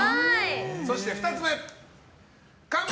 そして２つ目かむ